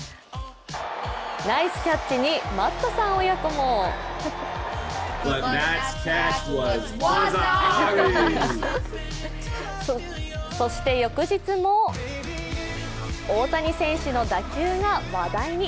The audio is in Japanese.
ナイスキャッチにマットさん親子もそして、翌日も大谷選手の打球が話題に。